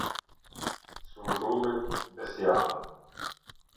Surdulli, Besianë